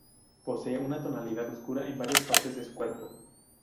Posee una tonalidad oscura en varias partes de su cuerpo.